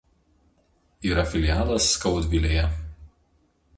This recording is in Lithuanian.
Yra filialas Skaudvilėje.